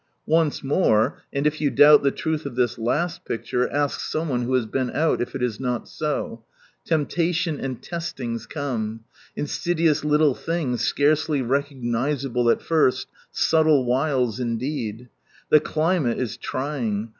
Once more, and if you doubt the truth of this last picture, ask some one who has been out, if it is not so. Temptation and testings come. Insidious little things, scarcely recognisable al first, " subtle wiles " indeed. The cHmate is trying.